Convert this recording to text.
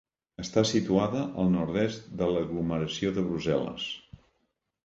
Està situada al nord-est de l'aglomeració de Brussel·les.